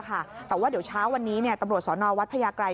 แต่ว่าเดี๋ยวเช้าวันนี้ตำรวจสนวัดพญาไกร